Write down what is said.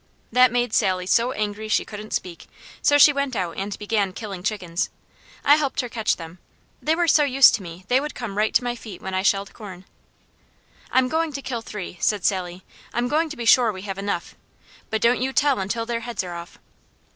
That made Sally so angry she couldn't speak, so she went out and began killing chickens. I helped her catch them. They were so used to me they would come right to my feet when I shelled corn. "I'm going to kill three," said Sally. "I'm going to be sure we have enough, but don't you tell until their heads are off."